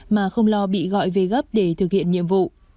mà không lo bị gọi về gấp để thực hiện nhiệm vụ